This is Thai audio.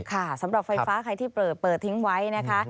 ค่ะสำหรับไฟฟ้าใครที่เปิดเปิดทิ้งไว้นะคะ